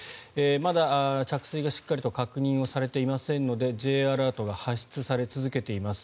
まだ着水がしっかりと確認をされていませんのでＪアラートが発出され続けています。